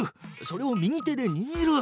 それを右手でにぎる。